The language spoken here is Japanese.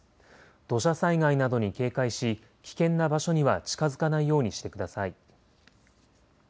土砂災害などに警戒し危険な場所には近づかないようにしてください。